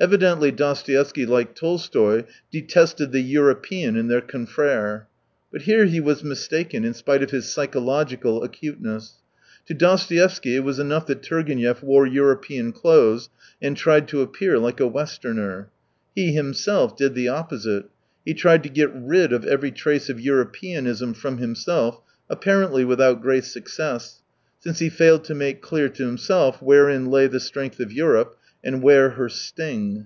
Evidently Dostoevsky, like Tolstoy, detested the " European " in their confrere. But here he was mistaken, in spite of his psychological acuteness. To Dostoevsky, it was enough that Turgenev wore European clothes and tried to appear like a westerner. He himself did the opposite : he tried to get rid of every trace of Europeanism from him self, apparently without great success, since he failed to make clear to himself wherein lay the strength of Europe, and where her sting.